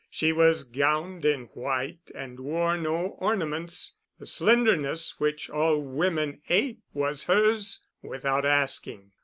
She was gowned in white and wore no ornaments. The slenderness which all women ape was hers without asking.